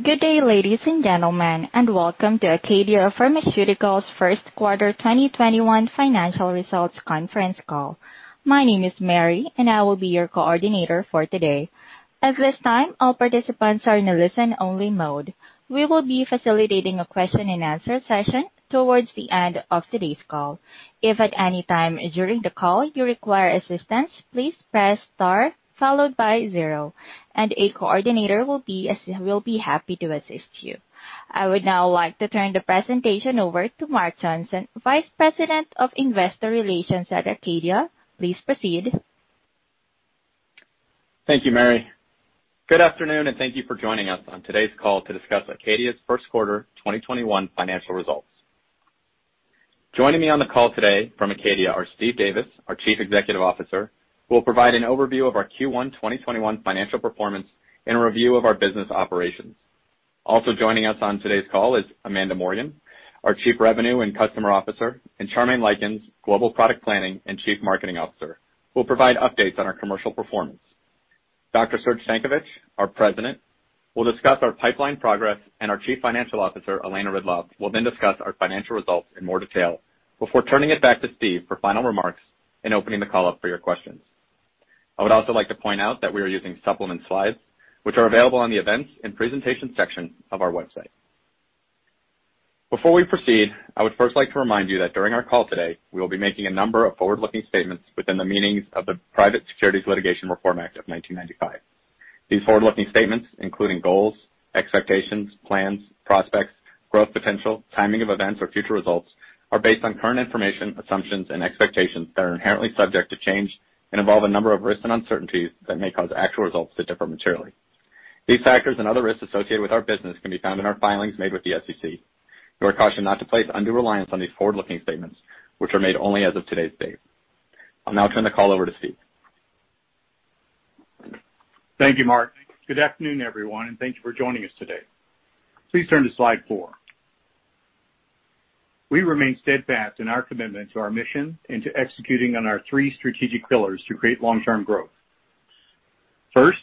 Good day, ladies and gentlemen, and welcome to ACADIA Pharmaceuticals' first quarter 2021 financial results conference call. My name is Mary, and I will be your coordinator for today. At this time, all participants are in a listen-only mode. We will be facilitating a question and answer session towards the end of today's call. If at any time during the call you require assistance, please press star followed by zero, and a coordinator will be happy to assist you. I would now like to turn the presentation over to Mark Johnson, Vice President, Investor Relations at ACADIA. Please proceed. Thank you, Mary. Good afternoon, and thank you for joining us on today's call to discuss ACADIA's first quarter 2021 financial results. Joining me on the call today from ACADIA are Steve Davis, our Chief Executive Officer, who will provide an overview of our Q1 2021 financial performance and a review of our business operations. Also joining us on today's call is Amanda Morgan, our Chief Revenue and Customer Officer, and Charmaine Lykins, Global Product Planning and Chief Marketing Officer, who will provide updates on our commercial performance. Dr. Serge Stankovic, our President, will discuss our pipeline progress, and our Chief Financial Officer, Elena Ridloff, will then discuss our financial results in more detail before turning it back to Steve for final remarks and opening the call up for your questions. I would also like to point out that we are using supplement slides, which are available on the Events and Presentations section of our website. Before we proceed, I would first like to remind you that during our call today, we will be making a number of forward-looking statements within the meanings of the Private Securities Litigation Reform Act of 1995. These forward-looking statements, including goals, expectations, plans, prospects, growth potential, timing of events, or future results, are based on current information, assumptions and expectations that are inherently subject to change and involve a number of risks and uncertainties that may cause actual results to differ materially. These factors and other risks associated with our business can be found in our filings made with the SEC. You are cautioned not to place undue reliance on these forward-looking statements, which are made only as of today's date. I'll now turn the call over to Steve. Thank you, Mark. Good afternoon, everyone, and thank you for joining us today. Please turn to slide four. We remain steadfast in our commitment to our mission and to executing on our three strategic pillars to create long-term growth. First,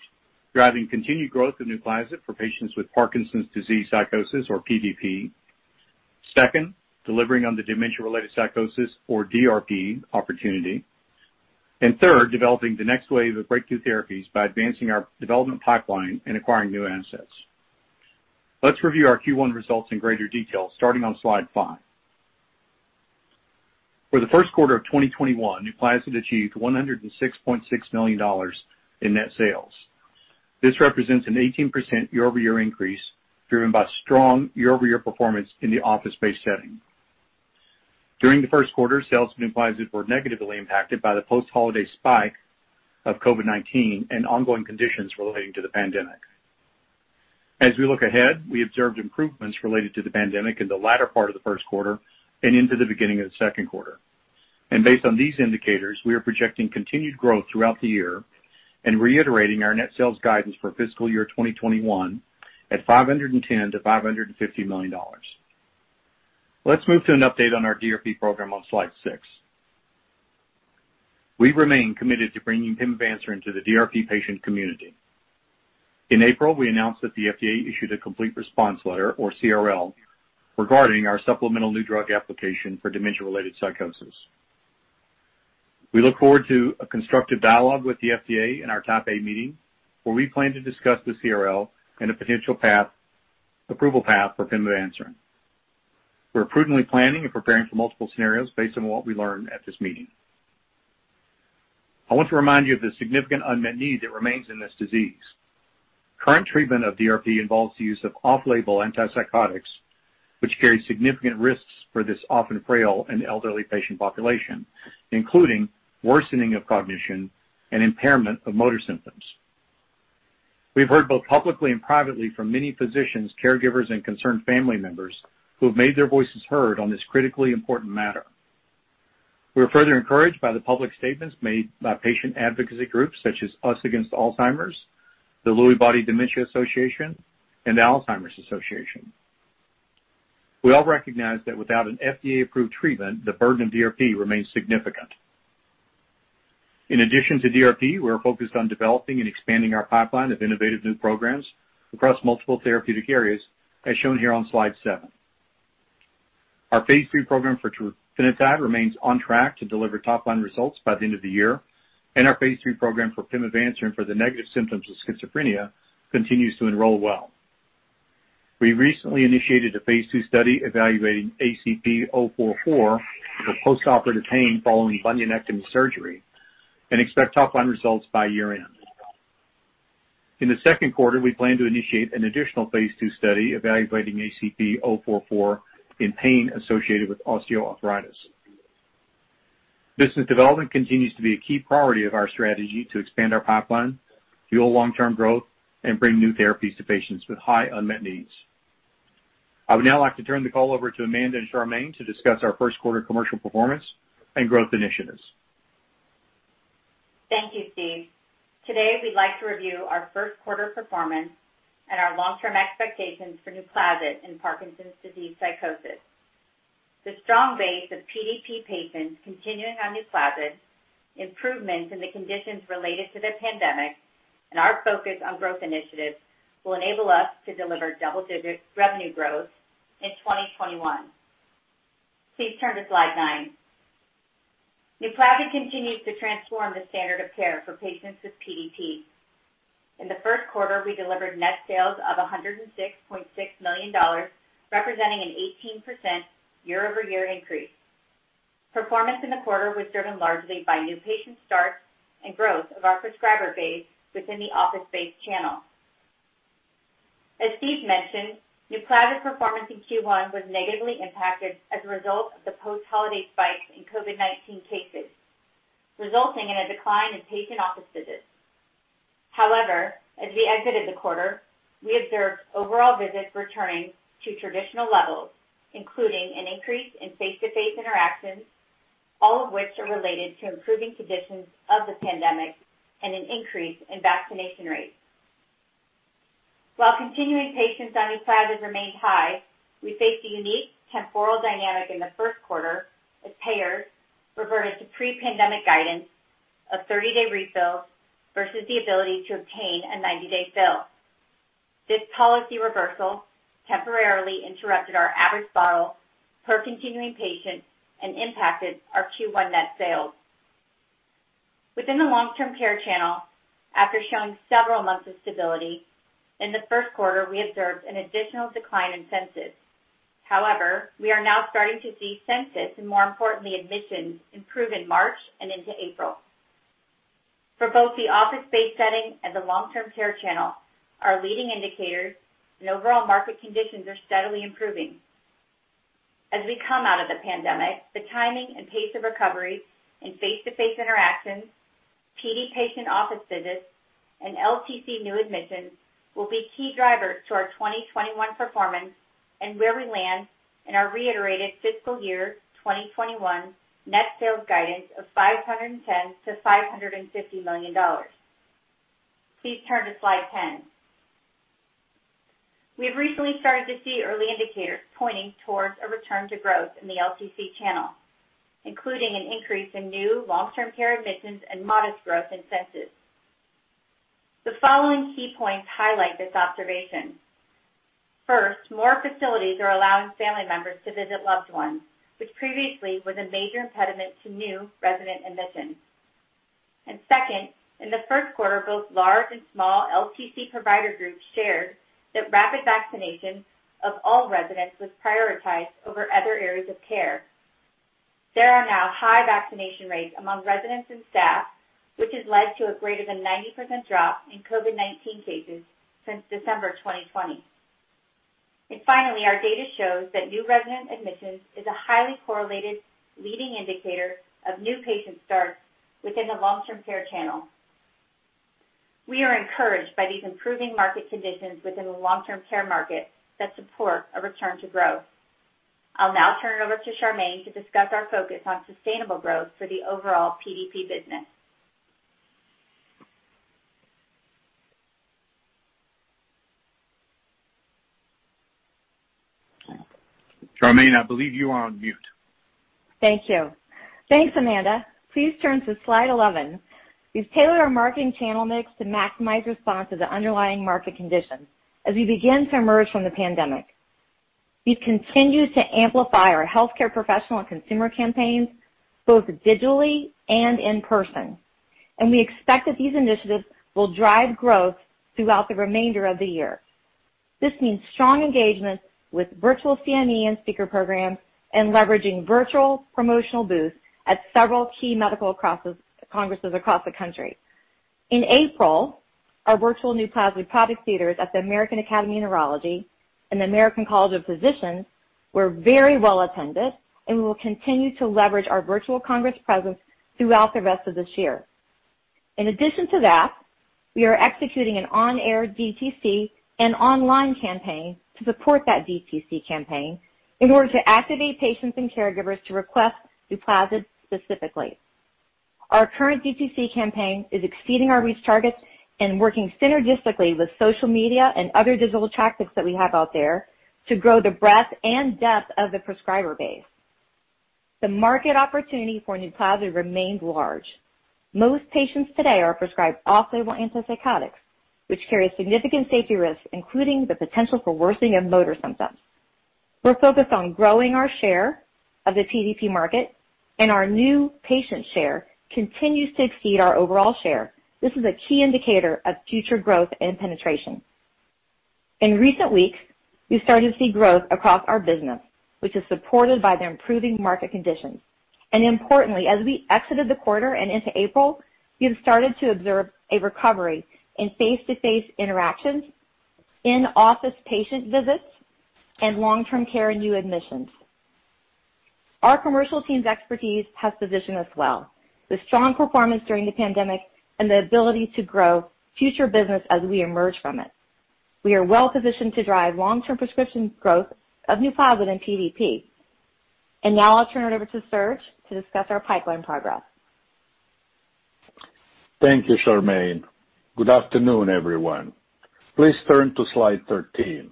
driving continued growth of NUPLAZID for patients with Parkinson's disease psychosis, or PDP. Second, delivering on the dementia-related psychosis, or DRP, opportunity. Third, developing the next wave of breakthrough therapies by advancing our development pipeline and acquiring new assets. Let's review our Q1 results in greater detail, starting on slide five. For the first quarter of 2021, NUPLAZID achieved $106.6 million in net sales. This represents an 18% year-over-year increase driven by strong year-over-year performance in the office-based setting. During the first quarter, sales of NUPLAZID were negatively impacted by the post-holiday spike of COVID-19 and ongoing conditions relating to the pandemic. As we look ahead, we observed improvements related to the pandemic in the latter part of the first quarter and into the beginning of the second quarter. Based on these indicators, we are projecting continued growth throughout the year and reiterating our net sales guidance for fiscal year 2021 at $510 million-$550 million. Let's move to an update on our DRP program on slide six. We remain committed to bringing pimavanserin to the DRP patient community. In April, we announced that the FDA issued a complete response letter, or CRL, regarding our supplemental new drug application for dementia-related psychosis. We look forward to a constructive dialogue with the FDA in our Type A meeting, where we plan to discuss the CRL and a potential approval path for pimavanserin. We're prudently planning and preparing for multiple scenarios based on what we learn at this meeting. I want to remind you of the significant unmet need that remains in this disease. Current treatment of DRP involves the use of off-label antipsychotics, which carry significant risks for this often frail and elderly patient population, including worsening of cognition and impairment of motor symptoms. We've heard both publicly and privately from many physicians, caregivers, and concerned family members who have made their voices heard on this critically important matter. We are further encouraged by the public statements made by patient advocacy groups such as UsAgainstAlzheimer's, the Lewy Body Dementia Association, and the Alzheimer's Association. We all recognize that without an FDA-approved treatment, the burden of DRP remains significant. In addition to DRP, we are focused on developing and expanding our pipeline of innovative new programs across multiple therapeutic areas, as shown here on slide seven. Our phase III program for trofinetide remains on track to deliver top-line results by the end of the year. Our phase III program for pimavanserin for the negative symptoms of schizophrenia continues to enroll well. We recently initiated a phase II study evaluating ACP-044 for post-operative pain following bunionectomy surgery and expect top-line results by year-end. In the second quarter, we plan to initiate an additional phase II study evaluating ACP-044 in pain associated with osteoarthritis. Business development continues to be a key priority of our strategy to expand our pipeline, fuel long-term growth, and bring new therapies to patients with high unmet needs. I would now like to turn the call over to Amanda and Charmaine to discuss our first quarter commercial performance and growth initiatives. Thank you, Steve. Today, we'd like to review our first quarter performance and our long-term expectations for NUPLAZID in Parkinson's disease psychosis. The strong base of PDP patients continuing on NUPLAZID, improvements in the conditions related to the pandemic, and our focus on growth initiatives will enable us to deliver double-digit revenue growth in 2021. Please turn to slide nine. NUPLAZID continues to transform the standard of care for patients with PDP. In the first quarter, we delivered net sales of $106.6 million, representing an 18% year-over-year increase. Performance in the quarter was driven largely by new patient starts and growth of our prescriber base within the office-based channel. As Steve mentioned, NUPLAZID performance in Q1 was negatively impacted as a result of the post-holiday spike in COVID-19 cases, resulting in a decline in patient office visits. However, as we exited the quarter, we observed overall visits returning to traditional levels, including an increase in face-to-face interactions, all of which are related to improving conditions of the pandemic and an increase in vaccination rates. While continuing patients on NUPLAZID remained high, we faced a unique temporal dynamic in the first quarter as payers reverted to pre-pandemic guidance of 30-day refills versus the ability to obtain a 90-day fill. This policy reversal temporarily interrupted our average bottle per continuing patient and impacted our Q1 net sales. Within the long-term care channel, after showing several months of stability, in the first quarter, we observed an additional decline in census. However, we are now starting to see census, and more importantly, admissions improve in March and into April. For both the office-based setting and the long-term care channel, our leading indicators and overall market conditions are steadily improving. As we come out of the pandemic, the timing and pace of recovery in face-to-face interactions, PD patient office visits, and LTC new admissions will be key drivers to our 2021 performance and where we land in our reiterated fiscal year 2021 net sales guidance of $510 million-$550 million. Please turn to slide 10. We've recently started to see early indicators pointing towards a return to growth in the LTC channel, including an increase in new long-term care admissions and modest growth in census. The following key points highlight this observation. First, more facilities are allowing family members to visit loved ones, which previously was a major impediment to new resident admissions. Second, in the first quarter, both large and small LTC provider groups shared that rapid vaccination of all residents was prioritized over other areas of care. There are now high vaccination rates among residents and staff, which has led to a greater than 90% drop in COVID-19 cases since December 2020. Finally, our data shows that new resident admissions is a highly correlated leading indicator of new patient starts within the long-term care channel. We are encouraged by these improving market conditions within the long-term care market that support a return to growth. I'll now turn it over to Charmaine to discuss our focus on sustainable growth for the overall PDP business. Charmaine, I believe you are on mute. Thank you. Thanks, Amanda. Please turn to slide 11. We've tailored our marketing channel mix to maximize response to the underlying market conditions as we begin to emerge from the pandemic. We've continued to amplify our healthcare professional and consumer campaigns, both digitally and in person, and we expect that these initiatives will drive growth throughout the remainder of the year. This means strong engagement with virtual CME and speaker programs and leveraging virtual promotional booths at several key medical congresses across the country. In April, our virtual NUPLAZID product theaters at the American Academy of Neurology and the American College of Physicians were very well attended, and we will continue to leverage our virtual congress presence throughout the rest of this year. In addition to that, we are executing an on-air DTC and online campaign to support that DTC campaign in order to activate patients and caregivers to request NUPLAZID specifically. Our current DTC campaign is exceeding our reach targets and working synergistically with social media and other digital tactics that we have out there to grow the breadth and depth of the prescriber base. The market opportunity for NUPLAZID remains large. Most patients today are prescribed off-label antipsychotics, which carry significant safety risks, including the potential for worsening of motor symptoms. We're focused on growing our share of the PDP market, and our new patient share continues to exceed our overall share. This is a key indicator of future growth and penetration. In recent weeks, we started to see growth across our business, which is supported by the improving market conditions. Importantly, as we exited the quarter and into April, we have started to observe a recovery in face-to-face interactions, in-office patient visits, and long-term care and new admissions. Our commercial team's expertise has positioned us well with strong performance during the pandemic and the ability to grow future business as we emerge from it. We are well positioned to drive long-term prescription growth of NUPLAZID and PDP. Now I'll turn it over to Serge to discuss our pipeline progress. Thank you, Charmaine. Good afternoon, everyone. Please turn to slide 13.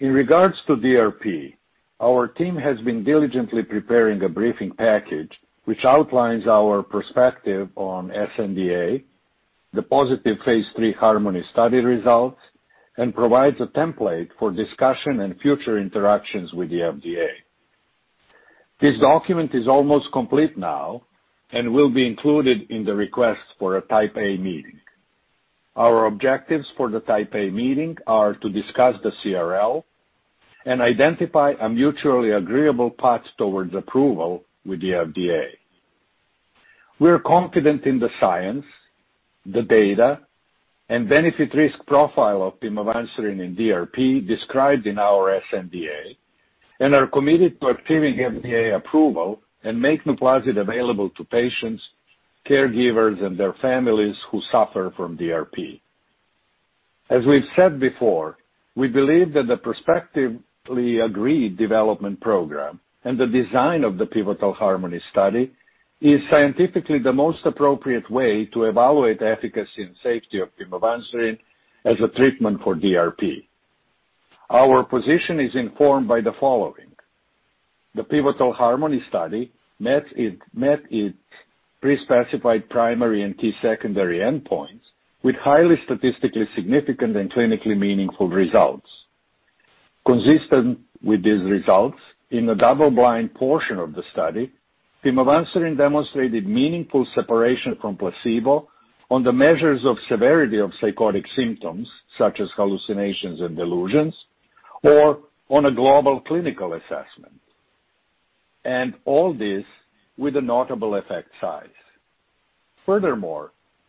In regards to DRP, our team has been diligently preparing a briefing package which outlines our perspective on sNDA, the positive phase III HARMONY study results, and provides a template for discussion and future interactions with the FDA. This document is almost complete now and will be included in the request for a Type A meeting. Our objectives for the Type A meeting are to discuss the CRL and identify a mutually agreeable path towards approval with the FDA. We're confident in the science, the data, and benefit risk profile of pimavanserin in DRP described in our sNDA and are committed to achieving FDA approval and make NUPLAZID available to patients, caregivers, and their families who suffer from DRP. As we've said before, we believe that the prospectively agreed development program and the design of the pivotal HARMONY study is scientifically the most appropriate way to evaluate the efficacy and safety of pimavanserin as a treatment for DRP. Our position is informed by the following. The pivotal HARMONY study met its pre-specified primary and key secondary endpoints with highly statistically significant and clinically meaningful results. Consistent with these results, in the double-blind portion of the study, pimavanserin demonstrated meaningful separation from placebo on the measures of severity of psychotic symptoms such as hallucinations and delusions, or on a global clinical assessment, and all this with a notable effect size.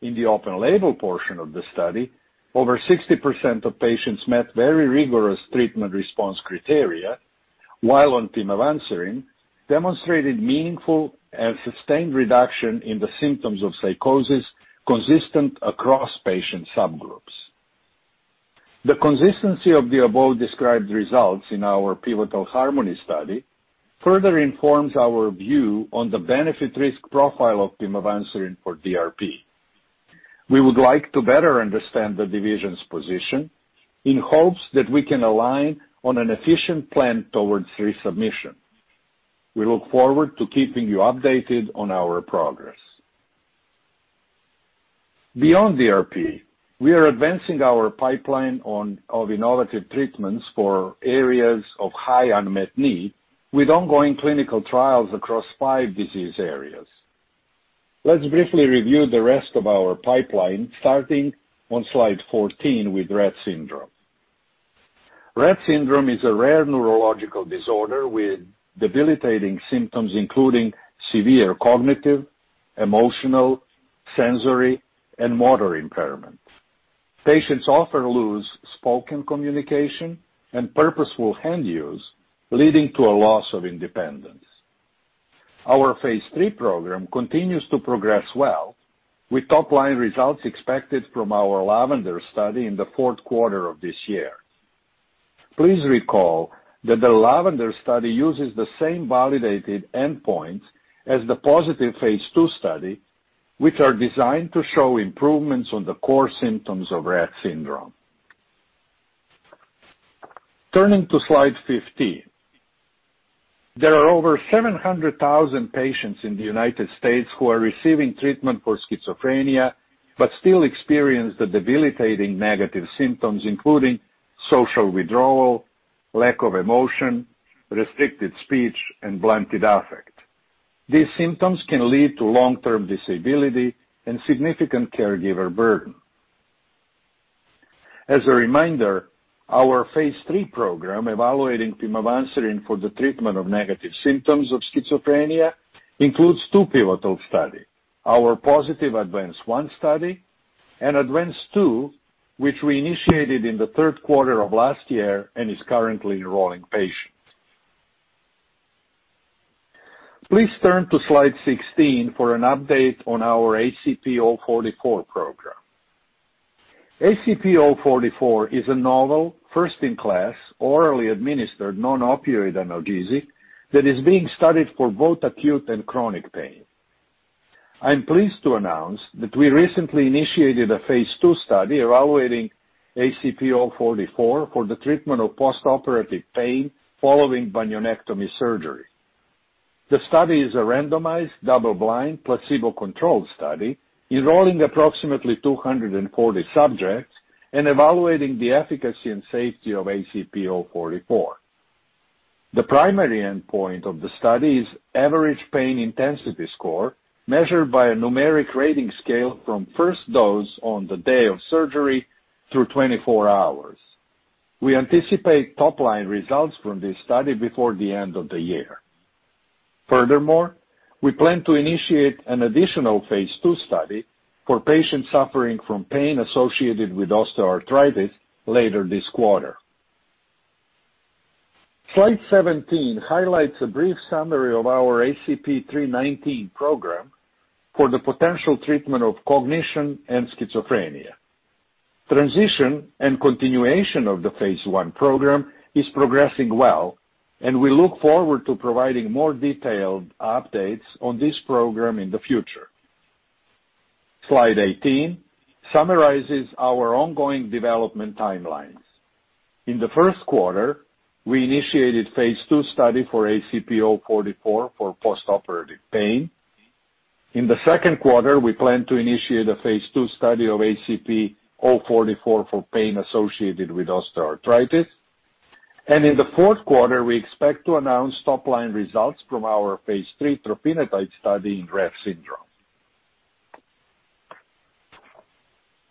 In the open-label portion of the study, over 60% of patients met very rigorous treatment response criteria while on pimavanserin, demonstrated meaningful and sustained reduction in the symptoms of psychosis consistent across patient subgroups. The consistency of the above-described results in our pivotal HARMONY study further informs our view on the benefit risk profile of pimavanserin for DRP. We would like to better understand the division's position in hopes that we can align on an efficient plan towards resubmission. We look forward to keeping you updated on our progress. Beyond DRP, we are advancing our pipeline of innovative treatments for areas of high unmet need with ongoing clinical trials across five disease areas. Let's briefly review the rest of our pipeline, starting on slide 14 with Rett syndrome. Rett syndrome is a rare neurological disorder with debilitating symptoms, including severe cognitive, emotional, sensory, and motor impairment. Patients often lose spoken communication and purposeful hand use, leading to a loss of independence. Our Phase III program continues to progress well, with top-line results expected from our LAVENDER study in the fourth quarter of this year. Please recall that the LAVENDER study uses the same validated endpoints as the positive phase II study, which are designed to show improvements on the core symptoms of Rett syndrome. Turning to slide 15. There are over 700,000 patients in the U.S. who are receiving treatment for schizophrenia but still experience the debilitating negative symptoms, including social withdrawal, lack of emotion, restricted speech, and blunted affect. These symptoms can lead to long-term disability and significant caregiver burden. As a reminder, our phase III program evaluating pimavanserin for the treatment of negative symptoms of schizophrenia includes two pivotal study, our positive ADVANCE-1 study and ADVANCE-2, which we initiated in the third quarter of last year and is currently enrolling patients. Please turn to slide 16 for an update on our ACP-044 program. ACP-044 is a novel, first-in-class, orally administered, non-opioid analgesic that is being studied for both acute and chronic pain. I'm pleased to announce that we recently initiated a phase II study evaluating ACP-044 for the treatment of postoperative pain following bunionectomy surgery. The study is a randomized, double-blind, placebo-controlled study enrolling approximately 240 subjects and evaluating the efficacy and safety of ACP-044. The primary endpoint of the study is average pain intensity score, measured by a numeric rating scale from first dose on the day of surgery through 24 hours. We anticipate top-line results from this study before the end of the year. We plan to initiate an additional phase II study for patients suffering from pain associated with osteoarthritis later this quarter. Slide 17 highlights a brief summary of our ACP-319 program for the potential treatment of cognition and schizophrenia. Transition and continuation of the phase I program is progressing well. We look forward to providing more detailed updates on this program in the future. Slide 18 summarizes our ongoing development timelines. In the first quarter, we initiated phase II study for ACP-044 for postoperative pain. In the second quarter, we plan to initiate a phase II study of ACP-044 for pain associated with osteoarthritis. In the fourth quarter, we expect to announce top-line results from our phase III trofinetide study in Rett syndrome.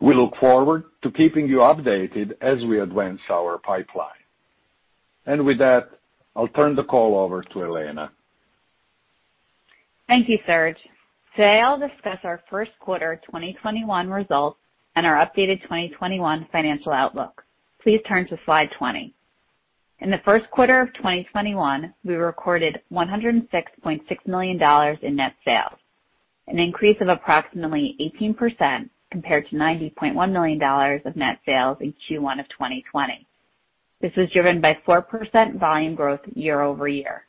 We look forward to keeping you updated as we advance our pipeline. With that, I'll turn the call over to Elena. Thank you, Serge. Today, I'll discuss our first quarter 2021 results and our updated 2021 financial outlook. Please turn to slide 20. In the first quarter of 2021, we recorded $106.6 million in net sales, an increase of approximately 18% compared to $90.1 million of net sales in Q1 of 2020. This was driven by 4% volume growth year-over-year.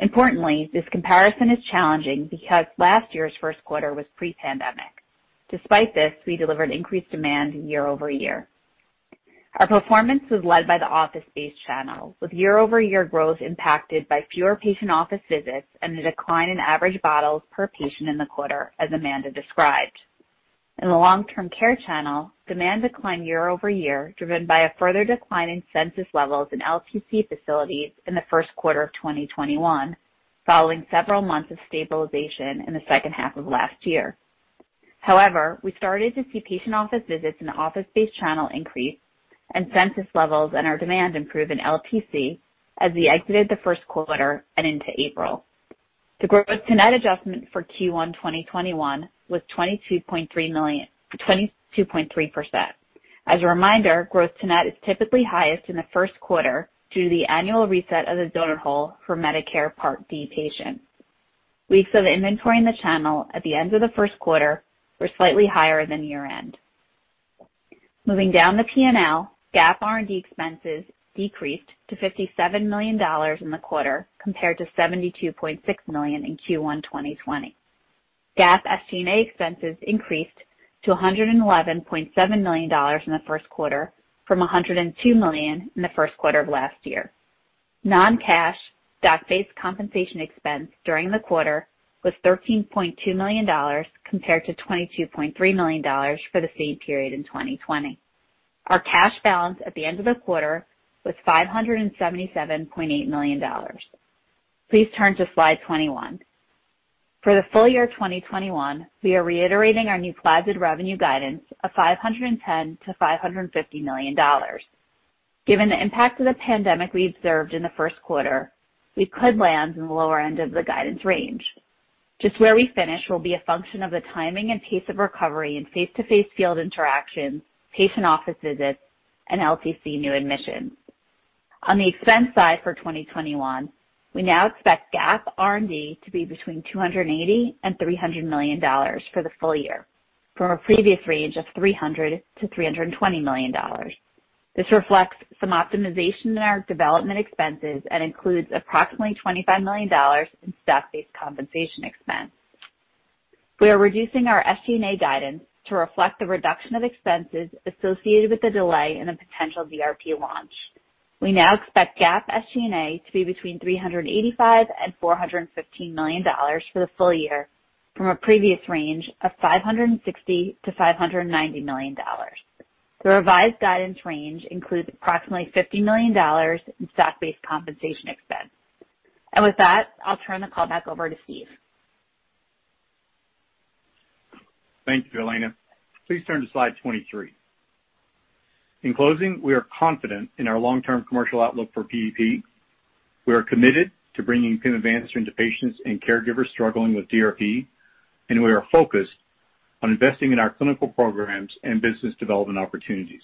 Importantly, this comparison is challenging because last year's first quarter was pre-pandemic. Despite this, we delivered increased demand year-over-year. Our performance was led by the office-based channel, with year-over-year growth impacted by fewer patient office visits and a decline in average bottles per patient in the quarter, as Amanda described. In the long-term care channel, demand declined year-over-year, driven by a further decline in census levels in LTC facilities in the first quarter of 2021, following several months of stabilization in the second half of last year. However, we started to see patient office visits in office-based channel increase and census levels and our demand improve in LTC as we exited the first quarter and into April. The gross-to-net adjustment for Q1 2021 was 22.3%. As a reminder, gross-to-net is typically highest in the first quarter due to the annual reset of the donut hole for Medicare Part D patients. Weeks of inventory in the channel at the end of the first quarter were slightly higher than year-end. Moving down the P&L, GAAP R&D expenses decreased to $57 million in the quarter compared to $72.6 million in Q1 2020. GAAP SG&A expenses increased to $111.7 million in the first quarter from $102 million in the first quarter of last year. Non-cash stock-based compensation expense during the quarter was $13.2 million compared to $22.3 million for the same period in 2020. Our cash balance at the end of the quarter was $577.8 million. Please turn to slide 21. For the full year 2021, we are reiterating our NUPLAZID revenue guidance of $510 million-$550 million. Given the impact of the pandemic we observed in the first quarter, we could land in the lower end of the guidance range. Just where we finish will be a function of the timing and pace of recovery in face-to-face field interactions, patient office visits, and LTC new admissions. On the expense side for 2021, we now expect GAAP R&D to be between $280 million and $300 million for the full year, from a previous range of $300 million to $320 million. This reflects some optimization in our development expenses and includes approximately $25 million in stock-based compensation expense. We are reducing our SG&A guidance to reflect the reduction of expenses associated with the delay in the potential DRP launch. We now expect GAAP SG&A to be between $385 million and $415 million for the full year, from a previous range of $560 million to $590 million. The revised guidance range includes approximately $50 million in stock-based compensation expense. With that, I'll turn the call back over to Steve. Thank you, Elena. Please turn to slide 23. In closing, we are confident in our long-term commercial outlook for PDP. We are committed to bringing pimavanserin into patients and caregivers struggling with DRP, and we are focused on investing in our clinical programs and business development opportunities.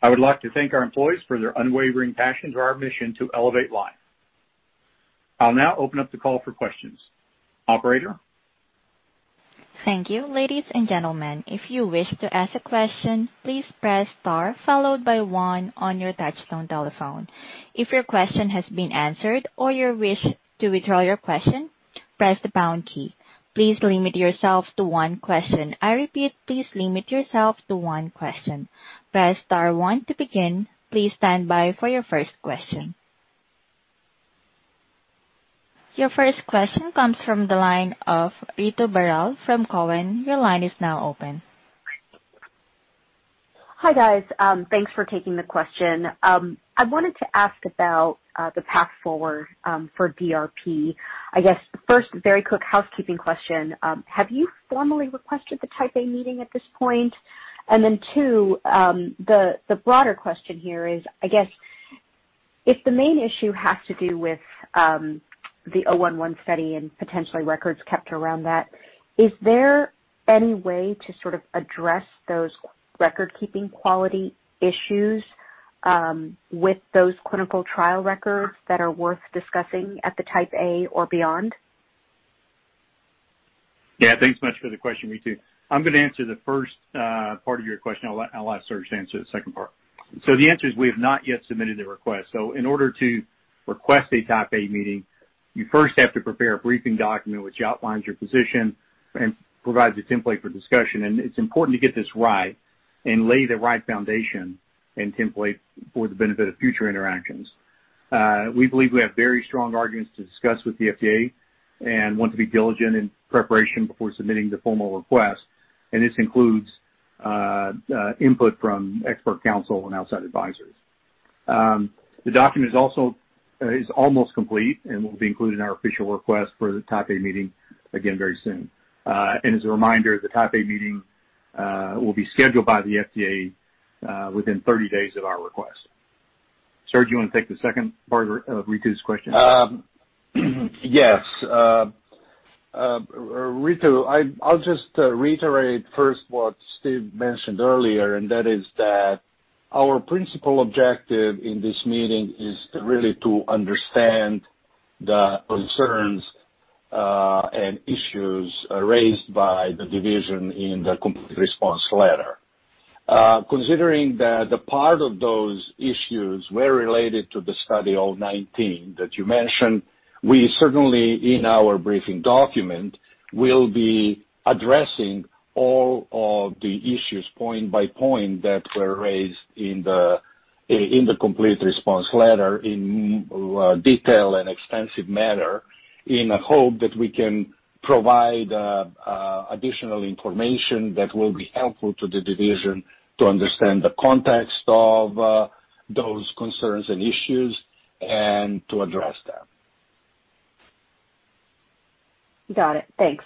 I would like to thank our employees for their unwavering passion to our mission to elevate life. I'll now open up the call for questions. Operator? Thank you. Ladies and gentlemen, if you wish to ask a question, please press star followed by one on your touch-tone telephone. If your question has been answered or you wish to withdraw your question, press the pound key. Please limit yourself to one question. I repeat, please limit yourself to one question. Press star one to begin. Please stand by for your first question. Your first question comes from the line of Ritu Baral from Cowen. Your line is now open. Hi, guys. Thanks for taking the question. I wanted to ask about the path forward for DRP. I guess the first very quick housekeeping question, have you formally requested the Type A meeting at this point? Two, the broader question here is, I guess if the main issue has to do with the 019 study and potentially records kept around that, is there any way to sort of address those record-keeping quality issues with those clinical trial records that are worth discussing at the Type A or beyond? Thanks so much for the question, Ritu. I'm going to answer the first part of your question. I'll let Serge answer the second part. The answer is, we have not yet submitted the request. In order to request a Type A meeting, you first have to prepare a briefing document which outlines your position and provides a template for discussion. It's important to get this right and lay the right foundation and template for the benefit of future interactions. We believe we have very strong arguments to discuss with the FDA and want to be diligent in preparation before submitting the formal request. This includes input from expert counsel and outside advisors. The document is almost complete and will be included in our official request for the Type A meeting again very soon. As a reminder, the Type A meeting will be scheduled by the FDA within 30 days of our request. Serge, do you want to take the second part of Ritu's question? Yes. Ritu, I'll just reiterate first what Steve mentioned earlier, and that is that our principal objective in this meeting is really to understand the concerns and issues raised by the division in the complete response letter. Considering that a part of those issues were related to the Study 019 that you mentioned, we certainly, in our briefing document, will be addressing all of the issues point by point that were raised in the complete response letter in detail and extensive manner in a hope that we can provide additional information that will be helpful to the division to understand the context of those concerns and issues, and to address them. Got it. Thanks.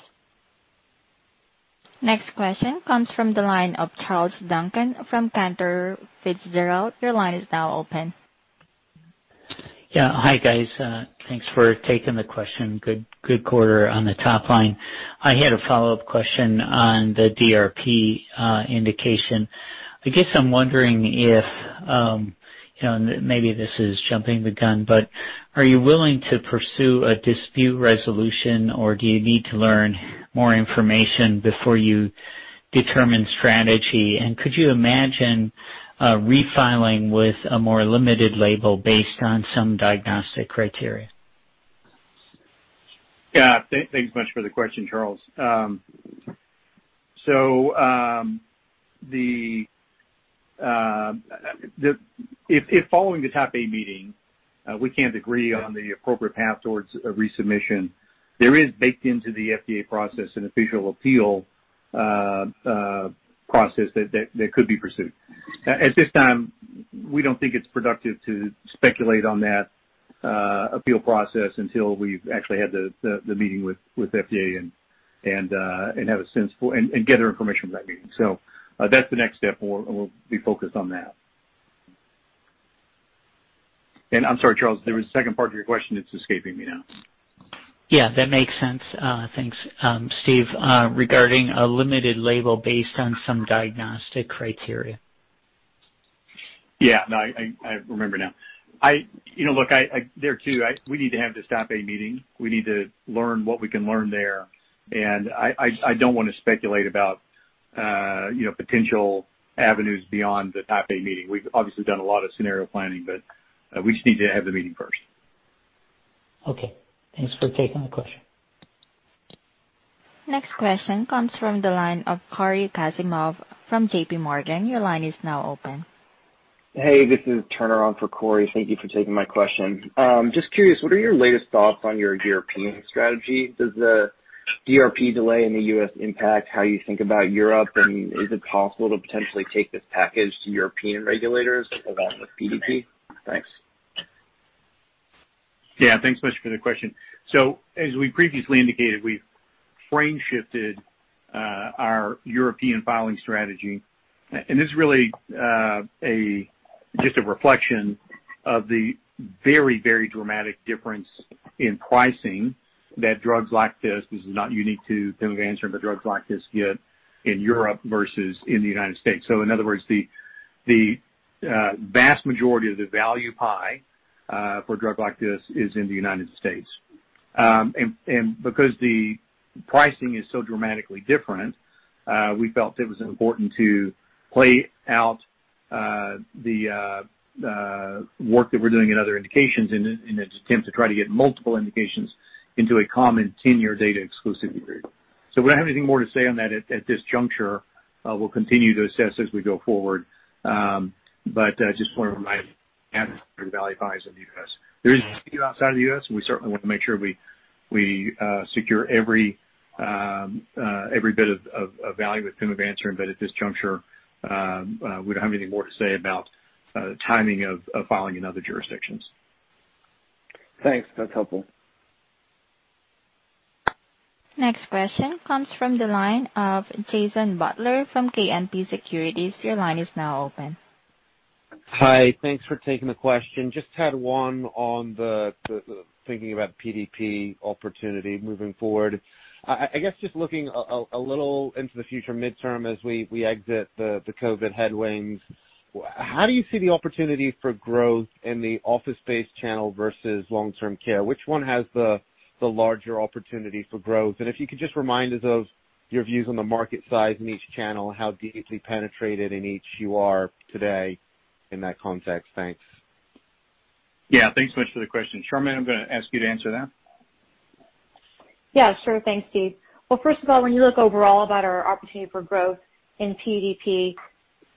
Next question comes from the line of Charles Duncan from Cantor Fitzgerald. Your line is now open. Yeah. Hi, guys. Thanks for taking the question. Good quarter on the top line. I had a follow-up question on the DRP indication. I guess I'm wondering if, maybe this is jumping the gun, but are you willing to pursue a dispute resolution, or do you need to learn more information before you determine strategy? Could you imagine refiling with a more limited label based on some diagnostic criteria? Yeah. Thanks so much for the question, Charles. If following the Type A meeting, we can't agree on the appropriate path towards a resubmission, there is, baked into the FDA process, an official appeal process that could be pursued. At this time, we don't think it's productive to speculate on that appeal process until we've actually had the meeting with FDA and gather information from that meeting. That's the next step, and we'll be focused on that. I'm sorry, Charles, there was a second part to your question that's escaping me now. Yeah, that makes sense. Thanks. Steve, regarding a limited label based on some diagnostic criteria. Yeah. No, I remember now. Look, there too, we need to have this Type A meeting. We need to learn what we can learn there, and I don't want to speculate about potential avenues beyond the Type A meeting. We've obviously done a lot of scenario planning, but we just need to have the meeting first. Okay. Thanks for taking the question. Next question comes from the line of Cory Kasimov from JPMorgan. Your line is now open. Hey, this is Turner on for Cory. Thank you for taking my question. Just curious, what are your latest thoughts on your European strategy? Does the DRP delay in the U.S. impact how you think about Europe, and is it possible to potentially take this package to European regulators along with PDP? Thanks. Yeah. Thanks so much for the question. As we previously indicated, we've frame shifted our European filing strategy. This is really just a reflection of the very dramatic difference in pricing that drugs like this is not unique to pimavanserin, but drugs like this get in Europe versus in the U.S. In other words, the vast majority of the value pie for a drug like this is in the U.S. Because the pricing is so dramatically different, we felt it was important to play out the work that we're doing in other indications in an attempt to try to get multiple indications into a common 10-year data exclusivity period. We don't have anything more to say on that at this juncture. We'll continue to assess as we go forward. Just want to remind you, the value lies in the U.S. There is value outside of the U.S., and we certainly want to make sure we secure every bit of value with pimavanserin, but at this juncture, we don't have anything more to say about timing of filing in other jurisdictions. Thanks. That's helpful. Next question comes from the line of Jason Butler from JMP Securities. Your line is now open. Hi. Thanks for taking the question. Had one on the thinking about PDP opportunity moving forward. I guess looking a little into the future midterm as we exit the COVID headwinds, how do you see the opportunity for growth in the office space channel versus long-term care? Which one has the larger opportunity for growth? If you could just remind us of your views on the market size in each channel, how deeply penetrated in each you are today in that context? Thanks. Yeah. Thanks so much for the question. Charmaine, I'm going to ask you to answer that. Yeah, sure. Thanks, Steve. Well, first of all, when you look overall about our opportunity for growth in PDP,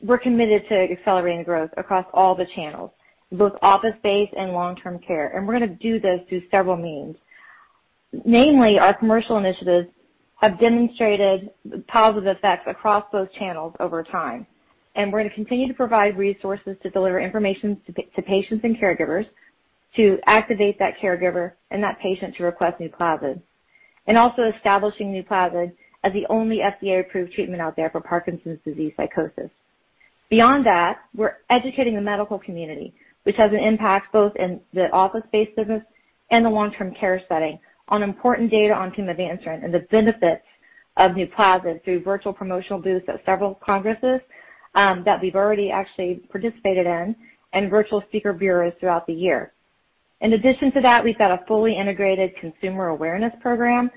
we're committed to accelerating the growth across all the channels, both office-based and long-term care, and we're going to do this through several means. Namely, our commercial initiatives have demonstrated positive effects across those channels over time, and we're going to continue to provide resources to deliver information to patients and caregivers to activate that caregiver and that patient to request NUPLAZID, and also establishing NUPLAZID as the only FDA-approved treatment out there for Parkinson's disease psychosis. Beyond that, we're educating the medical community, which has an impact both in the office-based business and the long-term care setting, on important data on [pimavanserin] and the benefits of NUPLAZID through virtual promotional booths at several congresses that we've already actually participated in and virtual speaker bureaus throughout the year. In addition to that, we've got a fully integrated consumer awareness program,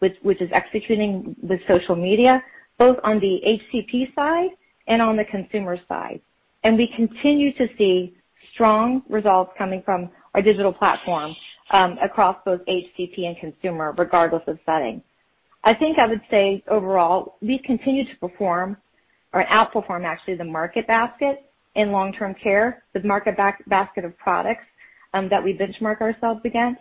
which is executing with social media, both on the HCP side and on the consumer side. We continue to see strong results coming from our digital platform, across both HCP and consumer, regardless of setting. I think I would say, overall, we've continued to perform or outperform actually the market basket in long-term care, the market basket of products that we benchmark ourselves against,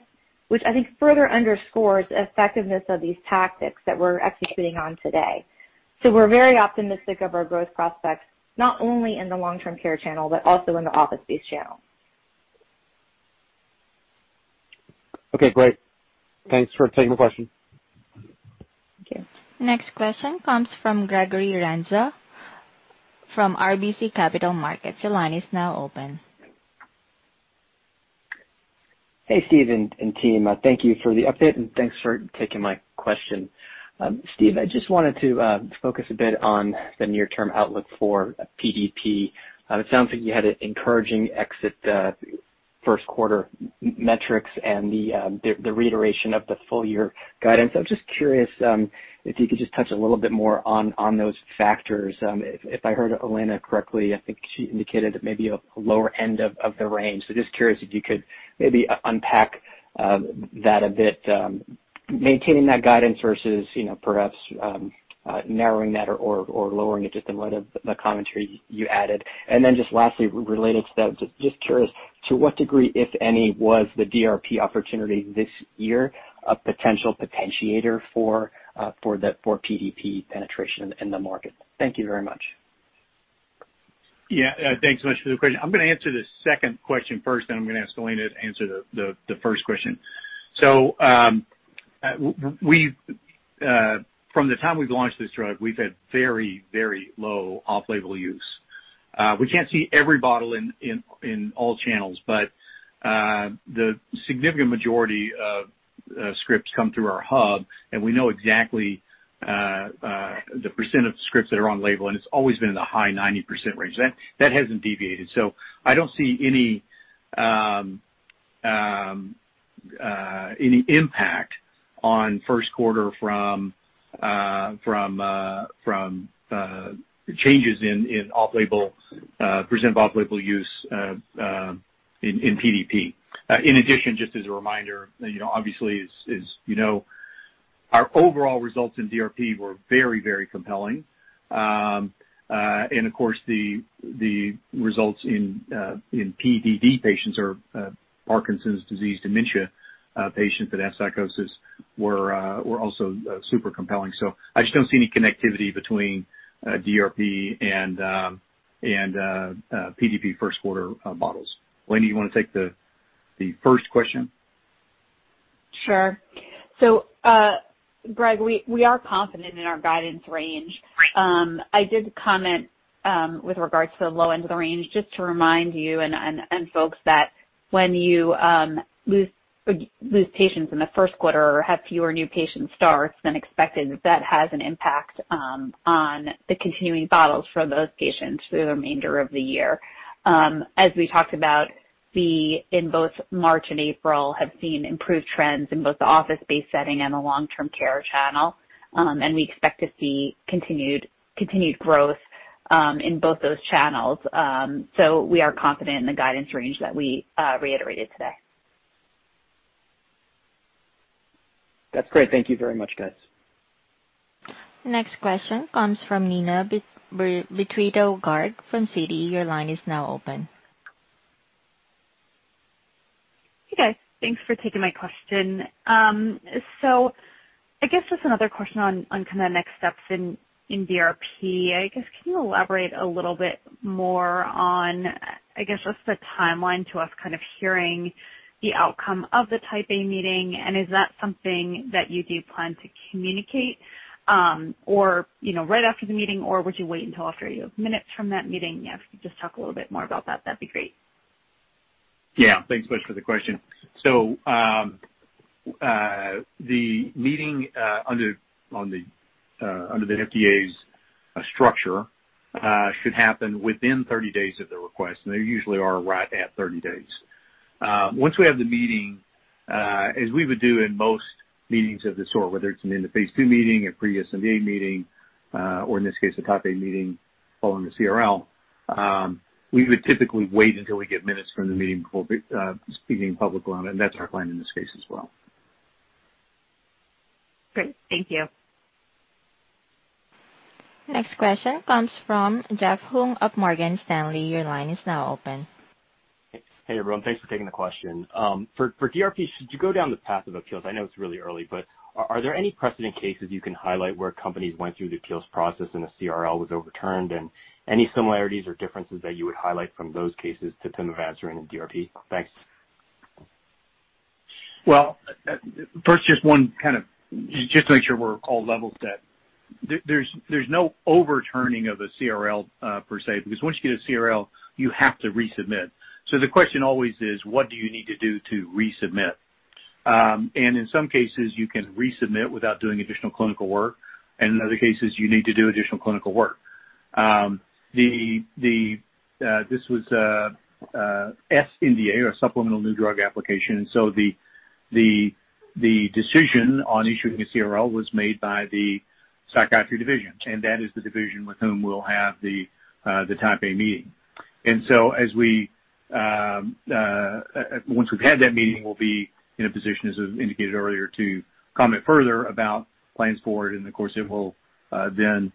which I think further underscores the effectiveness of these tactics that we're executing on today. We're very optimistic of our growth prospects, not only in the long-term care channel but also in the office-based channel. Okay, great. Thanks for taking the question. Thank you. Next question comes from Gregory Renza from RBC Capital Markets. Your line is now open. Hey, Steve and team. Thank you for the update, and thanks for taking my question. Steve, I just wanted to focus a bit on the near-term outlook for PDP. It sounds like you had an encouraging exit first quarter metrics and the reiteration of the full-year guidance. I'm just curious if you could just touch a little bit more on those factors. If I heard Elena correctly, I think she indicated that maybe a lower end of the range. Just curious if you could maybe unpack that a bit, maintaining that guidance versus perhaps narrowing that or lowering it just in light of the commentary you added. Just lastly, related to that, just curious to what degree, if any, was the DRP opportunity this year a potential potentiator for PDP penetration in the market? Thank you very much. Yeah. Thanks so much for the question. I'm going to answer the second question first, then I'm going to ask Elena to answer the first question. From the time we've launched this drug, we've had very low off-label use. We can't see every bottle in all channels, but the significant majority of scripts come through our hub, and we know exactly the percent of scripts that are on-label, and it's always been in the high 90% range. That hasn't deviated. I don't see any impact on first quarter from changes in percent off-label use in PDP. In addition, just as a reminder, obviously, as you know, our overall results in DRP were very compelling. Of course, the results in PDD patients or Parkinson's disease dementia patients that have psychosis were also super compelling. I just don't see any connectivity between DRP and PDP first quarter bottles. Elena, you want to take the first question? Sure. Greg, we are confident in our guidance range. I did comment with regards to the low end of the range, just to remind you and folks that when you lose patients in the first quarter or have fewer new patient starts than expected, that has an impact on the continuing bottles for those patients through the remainder of the year. As we talked about, in both March and April have seen improved trends in both the office-based setting and the long-term care channel. We expect to see continued growth in both those channels. We are confident in the guidance range that we reiterated today. That's great. Thank you very much, guys. Next question comes from Neena Bitritto-Garg from Citi. Your line is now open. Hey, guys. Thanks for taking my question. I guess just another question on next steps in DRP. Can you elaborate a little bit more on, I guess just the timeline to us hearing the outcome of the Type A meeting? Is that something that you do plan to communicate right after the meeting, or would you wait until after you have minutes from that meeting? Yeah, if you could just talk a little bit more about that'd be great. Yeah. Thanks so much for the question. The meeting under the FDA's structure. Should happen within 30 days of the request, and they usually are right at 30 days. Once we have the meeting, as we would do in most meetings of this sort, whether it's an end of phase II meeting, a pre-sNDA meeting, or in this case, a Type A meeting following the CRL, we would typically wait until we get minutes from the meeting before speaking publicly on it, and that's our plan in this case as well. Great. Thank you. Next question comes from Jeff Hung of Morgan Stanley. Your line is now open. Hey, everyone. Thanks for taking the question. For DRP, should you go down the path of appeals? I know it's really early, are there any precedent cases you can highlight where companies went through the appeals process and a CRL was overturned? Any similarities or differences that you would highlight from those cases to pimavanserin and DRP? Thanks. Well, first, just to make sure we're all level set. There's no overturning of a CRL per se, because once you get a CRL, you have to resubmit. The question always is, what do you need to do to resubmit? In some cases, you can resubmit without doing additional clinical work, and in other cases, you need to do additional clinical work. This was a sNDA or supplemental new drug application, the decision on issuing a CRL was made by the psychiatry division, and that is the division with whom we'll have the Type A meeting. Once we've had that meeting, we'll be in a position, as indicated earlier, to comment further about plans for it. Of course, it will then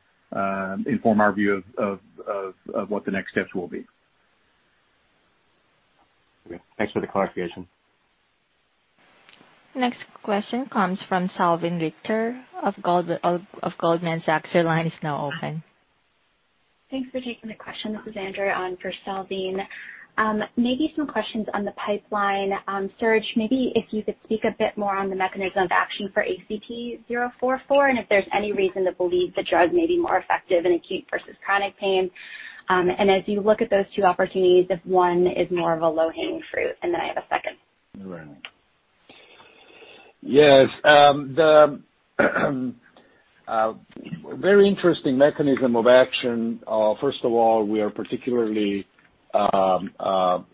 inform our view of what the next steps will be. Okay. Thanks for the clarification. Next question comes from Salveen Richter of Goldman Sachs. Your line is now open. Thanks for taking the question. This is Andrea on for Salveen. Some questions on the pipeline. Serge, if you could speak a bit more on the mechanism of action for ACP-044 and if there's any reason to believe the drug may be more effective in acute versus chronic pain. As you look at those two opportunities, if one is more of a low-hanging fruit, I have a second. Yes. A very interesting mechanism of action. First of all, we are particularly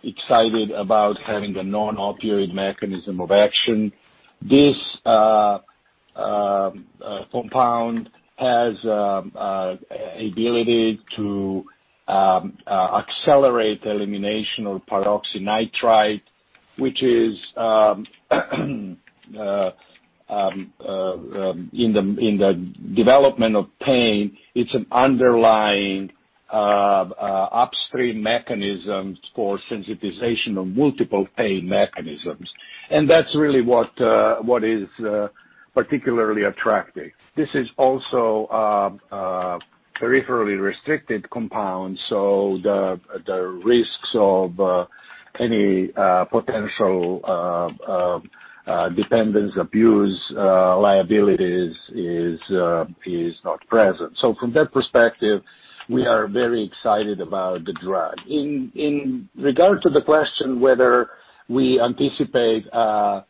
excited about having a non-opioid mechanism of action. This compound has ability to accelerate elimination of peroxynitrite, which is in the development of pain, it's an underlying upstream mechanism for sensitization of multiple pain mechanisms. That's really what is particularly attractive. This is also a peripherally restricted compound, so the risks of any potential dependence abuse liabilities is not present. From that perspective, we are very excited about the drug. In regard to the question whether we anticipate a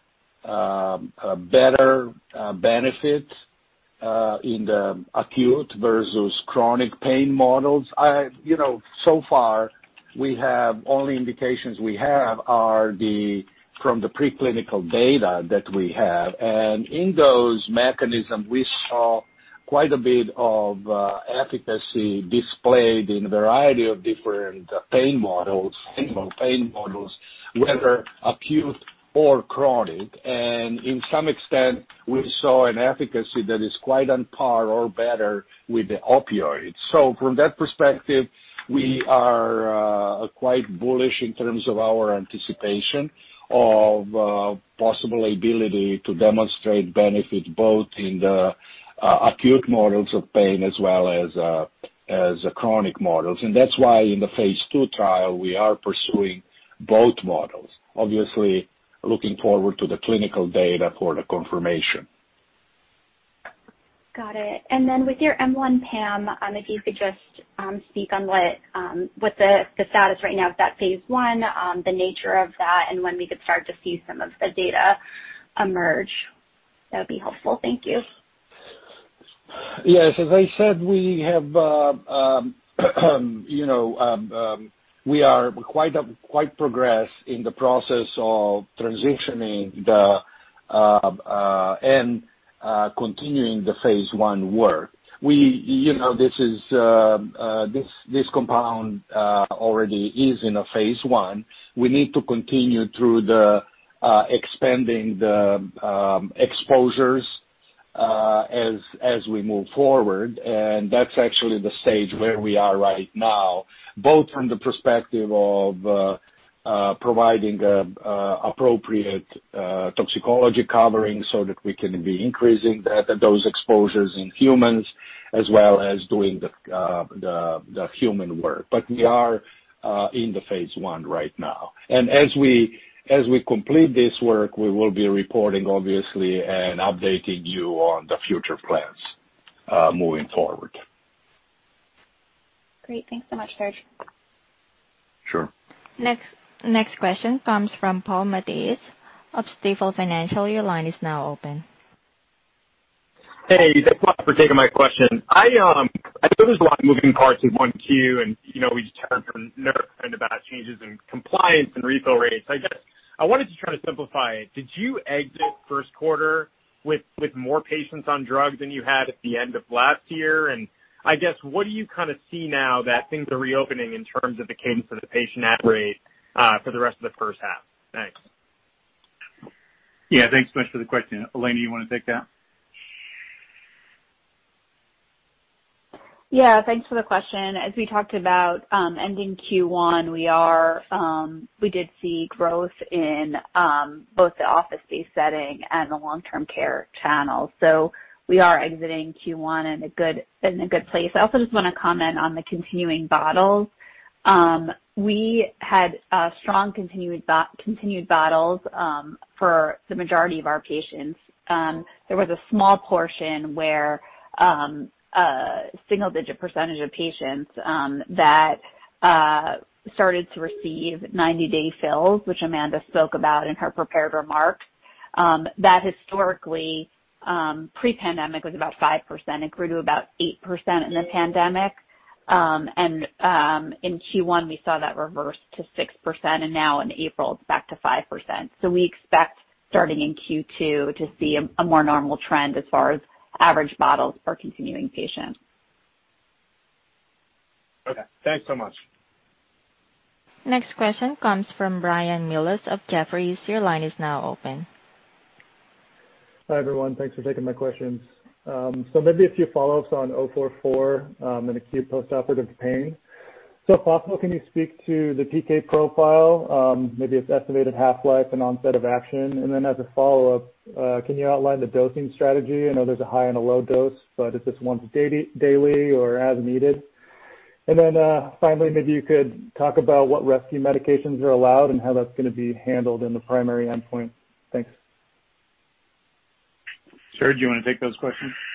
better benefit in the acute versus chronic pain models, so far all the indications we have are from the preclinical data that we have. In those mechanisms, we saw quite a bit of efficacy displayed in a variety of different pain models, animal pain models, whether acute or chronic. To some extent, we saw an efficacy that is quite on par or better with the opioids. From that perspective, we are quite bullish in terms of our anticipation of possible ability to demonstrate benefit, both in the acute models of pain as well as the chronic models. That's why in the phase II trial, we are pursuing both models. Obviously, looking forward to the clinical data for the confirmation. Got it. With your M1 PAM, if you could just speak on what the status right now of that phase I, the nature of that, and when we could start to see some of the data emerge, that would be helpful. Thank you. Yes. As I said, we are quite progressed in the process of transitioning and continuing the phase I work. This compound already is in a phase I. We need to continue through expanding the exposures as we move forward. That's actually the stage where we are right now, both from the perspective of providing appropriate toxicology covering so that we can be increasing those exposures in humans as well as doing the human work. We are in the phase I right now. As we complete this work, we will be reporting, obviously, and updating you on the future plans moving forward. Great. Thanks so much, Serge. Next question comes from Paul Matteis of Stifel Financial. Your line is now open. Hey. Thanks a lot for taking my question. I know there's a lot moving parts with 1Q, and we just heard from [Neurocrine] about changes in compliance and refill rates. I wanted to try to simplify it. Did you exit first quarter with more patients on drug than you had at the end of last year? I guess, what do you see now that things are reopening in terms of the cadence of the patient add rate, for the rest of the first half? Thanks. Yeah. Thanks so much for the question. Elena, you want to take that? Yeah. Thanks for the question. As we talked about, ending Q1, we did see growth in both the office-based setting and the long-term care channel. We are exiting Q1 in a good place. I also just want to comment on the continuing bottles. We had strong continued bottles for the majority of our patients. There was a small portion where a single-digit percentage of patients that started to receive 90-day fills, which Amanda spoke about in her prepared remarks. That historically, pre-pandemic, was about 5%. It grew to about 8% in the pandemic. In Q1, we saw that reverse to 6%, and now in April, it's back to 5%. We expect starting in Q2 to see a more normal trend as far as average bottles for continuing patients. Okay. Thanks so much. Next question comes from Brian Mills of Jefferies. Your line is now open. Hi, everyone. Thanks for taking my questions. Maybe a few follow-ups on 044 in acute postoperative pain. If possible, can you speak to the PK profile, maybe its estimated half-life and onset of action? As a follow-up, can you outline the dosing strategy? I know there's a high and a low dose, but is this once daily or as needed? Finally, maybe you could talk about what rescue medications are allowed and how that's going to be handled in the primary endpoint. Thanks. Serge, do you want to take those questions? Yes.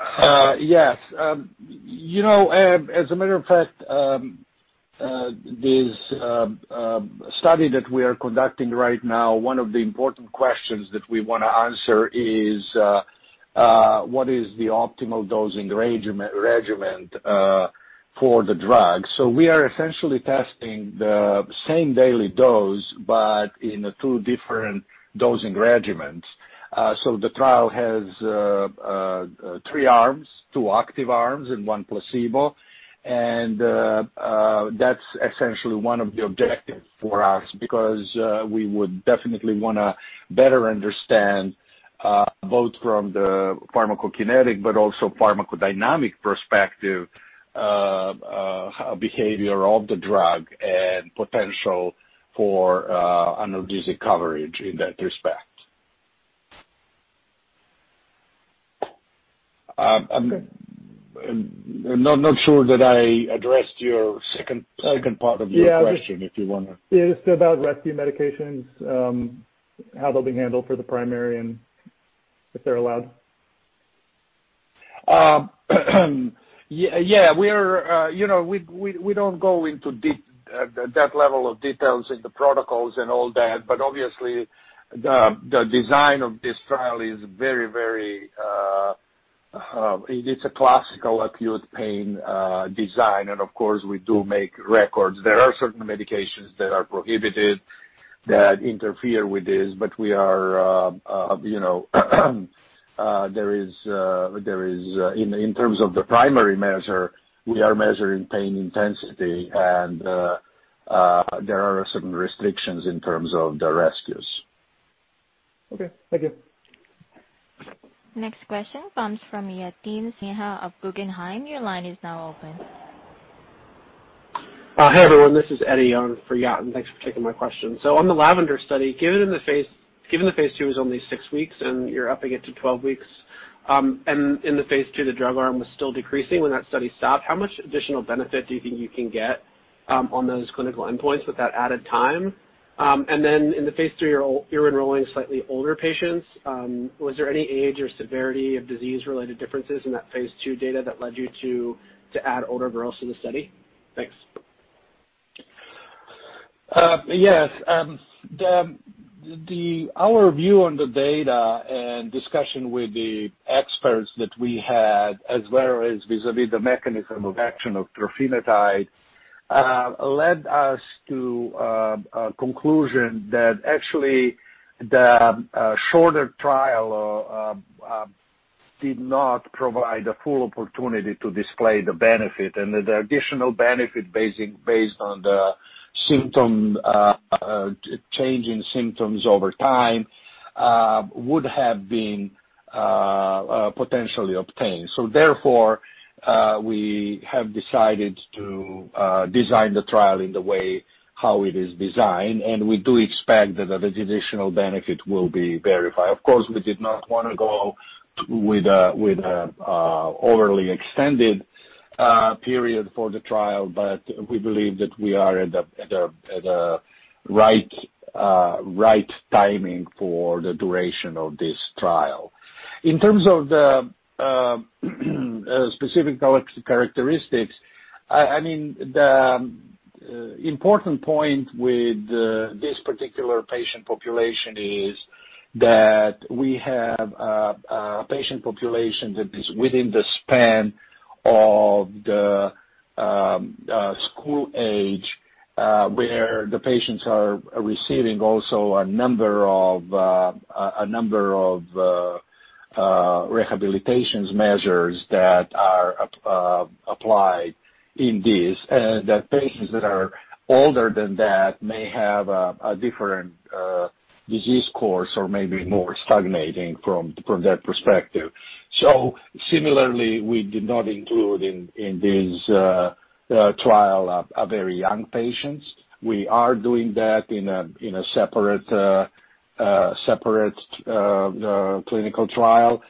As a matter of fact, this study that we are conducting right now, one of the important questions that we want to answer is, what is the optimal dosing regimen for the drug? We are essentially testing the same daily dose but in two different dosing regimens. The trial has three arms, two active arms and one placebo. That's essentially one of the objectives for us, because we would definitely want to better understand, both from the pharmacokinetic but also pharmacodynamic perspective, behavior of the drug and potential for analgesic coverage in that respect. Okay. I'm not sure that I addressed your second part of your question. Yeah. If you want to. Yeah, just about rescue medications, how they'll be handled for the primary and if they're allowed. Yeah. We don't go into that level of details in the protocols and all that, but obviously the design of this trial, it's a classical acute pain design. Of course, we do make records. There are certain medications that are prohibited that interfere with this. In terms of the primary measure, we are measuring pain intensity, and there are some restrictions in terms of the rescues. Okay. Thank you. Next question comes from Yatin Suneja of Guggenheim. Your line is now open. Hi, everyone. This is Eddie for Yatin. Thanks for taking my question. On the LAVENDER study, given the phase II was only six weeks and you're upping it to 12 weeks, in the phase II, the drug arm was still decreasing when that study stopped, how much additional benefit do you think you can get on those clinical endpoints with that added time? In the phase III, you're enrolling slightly older patients. Was there any age or severity of disease-related differences in that phase II data that led you to add older adults to the study? Thanks. Yes. Our view on the data and discussion with the experts that we had, as well as vis-à-vis the mechanism of action of trofinetide, led us to a conclusion that actually the shorter trial did not provide the full opportunity to display the benefit and that the additional benefit based on the change in symptoms over time would have been potentially obtained. Therefore, we have decided to design the trial in the way how it is designed, and we do expect that the additional benefit will be verified. Of course, we did not want to go with an overly extended period for the trial, but we believe that we are at the right timing for the duration of this trial. In terms of the specific characteristics, I mean, the an important point with this particular patient population is that we have a patient population that is within the span of the school age, where the patients are receiving also a number of rehabilitation measures that are applied in this. That patients that are older than that may have a different disease course or may be more stagnating from that perspective. Similarly, we did not include in this trial, very young patients. We are doing that in a separate clinical trial.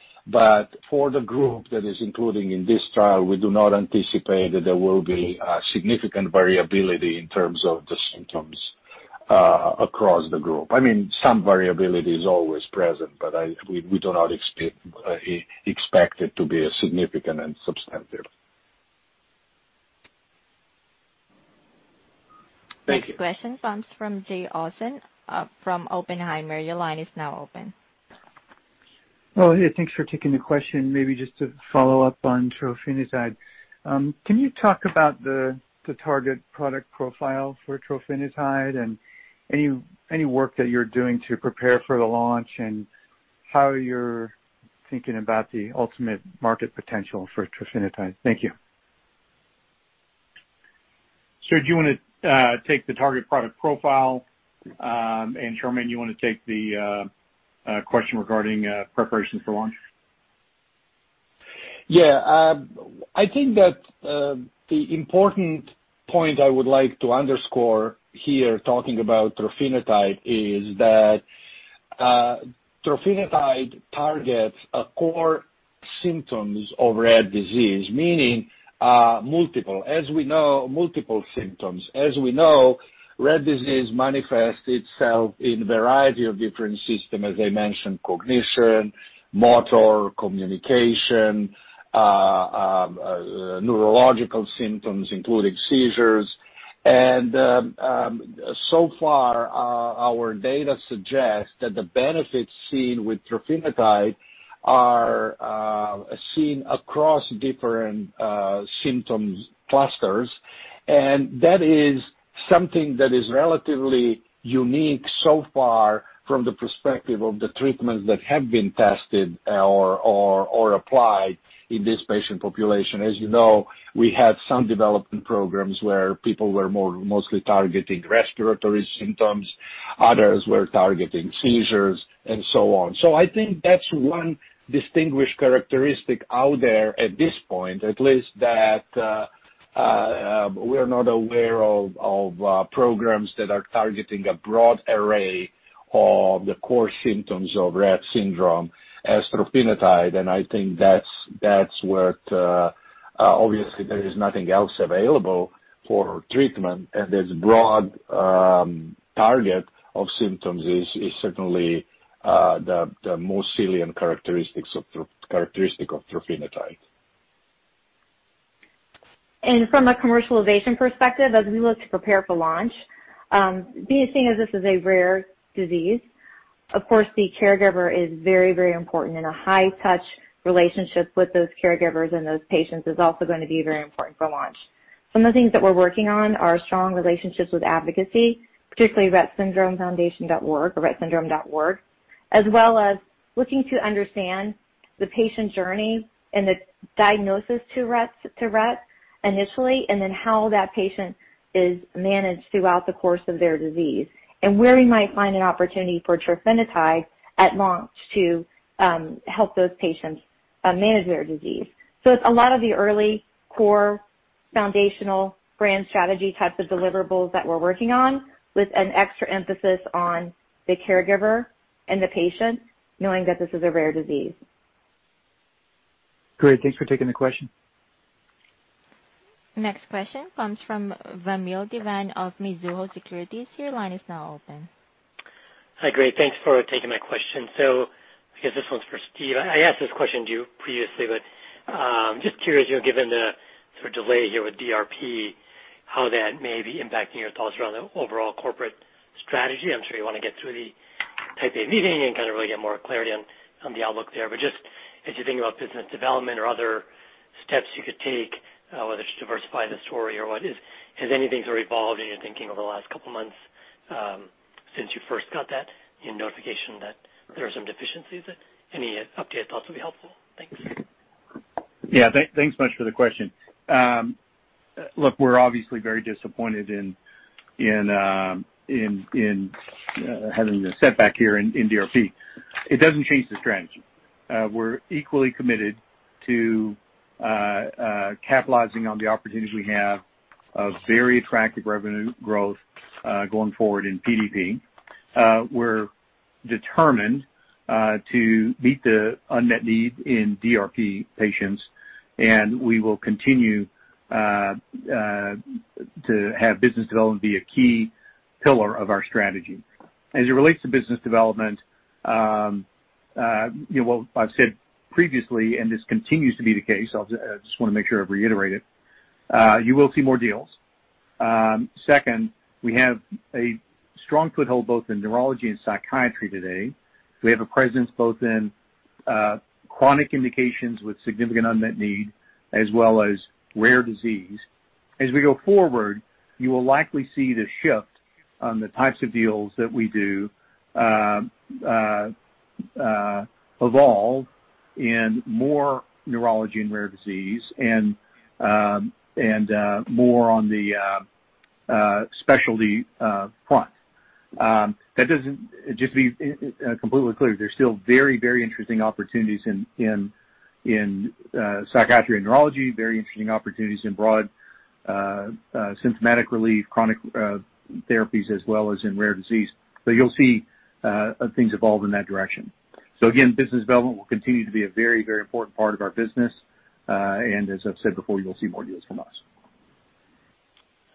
For the group that is included in this trial, we do not anticipate that there will be a significant variability in terms of the symptoms across the group. Some variability is always present, but we do not expect it to be significant and substantive. Thank you. Next question comes from Jay Olson from Oppenheimer. Your line is now open. Oh, yeah. Thanks for taking the question. Maybe just to follow up on trofinetide. Can you talk about the target product profile for trofinetide and any work that you're doing to prepare for the launch and how you're thinking about the ultimate market potential for trofinetide? Thank you. Serge, do you want to take the target product profile? Charmaine, you want to take the question regarding preparation for launch? Yeah. I think that the important point I would like to underscore here, talking about trofinetide, is that trofinetide targets core symptoms of Rett syndrome, meaning multiple symptoms. As we know, Rett syndrome manifests itself in a variety of different systems, as I mentioned, cognition, motor communication, neurological symptoms, including seizures. So far, our data suggests that the benefits seen with trofinetide are seen across different symptom clusters, and that is something that is relatively unique so far from the perspective of the treatments that have been tested or applied in this patient population. As you know, we had some development programs where people were mostly targeting respiratory symptoms. Others were targeting seizures and so on. I think that's one distinguished characteristic out there at this point, at least, that we're not aware of programs that are targeting a broad array of the core symptoms of Rett syndrome as trofinetide. Obviously, there is nothing else available for treatment, and this broad target of symptoms is certainly the most salient characteristic of trofinetide. From a commercialization perspective, as we look to prepare for launch, being as this is a rare disease, of course, the caregiver is very important, and a high-touch relationship with those caregivers and those patients is also going to be very important for launch. Some of the things that we're working on are strong relationships with advocacy, particularly rettsyndromefoundation.org or rettsyndrome.org, as well as looking to understand the patient journey and the diagnosis to Rett initially, and then how that patient is managed throughout the course of their disease. Where we might find an opportunity for trofinetide at launch to help those patients manage their disease. It's a lot of the early core foundational brand strategy type of deliverables that we're working on with an extra emphasis on the caregiver and the patient, knowing that this is a rare disease. Great. Thanks for taking the question. Next question comes from Vamil Divan of Mizuho Securities. Hi. Great. Thanks for taking my question. I guess this one's for Steve. I asked this question to you previously, but just curious, given the sort of delay here with DRP, how that may be impacting your thoughts around the overall corporate strategy. I'm sure you want to get through the Type A meeting and really get more clarity on the outlook there. Just as you think about business development or other steps you could take, whether it's diversify the story or what, has anything sort of evolved in your thinking over the last couple of months since you first got that notification that there are some deficiencies? Any updates, thoughts would be helpful. Thanks. Yeah. Thanks much for the question. Look, we're obviously very disappointed in having a setback here in DRP. It doesn't change the strategy. We're equally committed to capitalizing on the opportunities we have of very attractive revenue growth going forward in PDP. We're determined to meet the unmet needs in DRP patients. We will continue to have business development be a key pillar of our strategy. What I've said previously, and this continues to be the case, I just want to make sure I reiterate it. You will see more deals. Second, we have a strong foothold both in neurology and psychiatry today. We have a presence both in chronic indications with significant unmet need as well as rare disease. As we go forward, you will likely see the shift on the types of deals that we do evolve in more neurology and rare disease and more on the specialty front. Just to be completely clear, there's still very interesting opportunities in psychiatry and neurology, very interesting opportunities in broad symptomatic relief, chronic therapies, as well as in rare disease. You'll see things evolve in that direction. Again, business development will continue to be a very important part of our business. As I've said before, you'll see more deals from us.